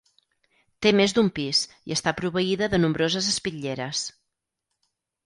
Té més d'un pis i està proveïda de nombroses espitlleres.